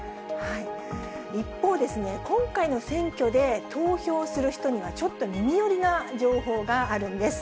一方ですね、今回の選挙で投票する人には、ちょっと耳寄りな情報があるんです。